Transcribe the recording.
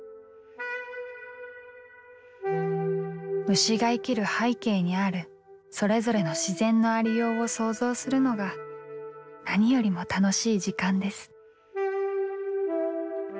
虫が生きる背景にあるそれぞれの自然のありようを想像するのが何よりも楽しい時間です。